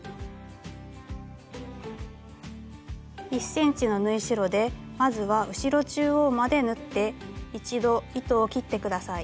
１ｃｍの縫い代でまずは後ろ中央まで縫って一度糸を切って下さい。